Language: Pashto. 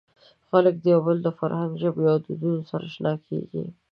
خلک د یو بل د فرهنګ، ژبې او دودونو سره اشنا کېږي.